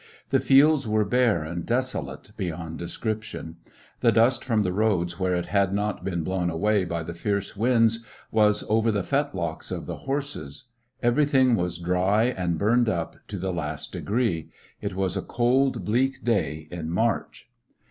The fields were bare and desolate beyond description. The dust from the roads, where it had not been blown away by the fierce winds, was over the fetlocks of the horses. Everything was dry and burned up to the last degree. It was a cold, bleak day in March.